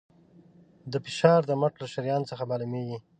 دا فشار د مټ له شریان څخه معلومېږي.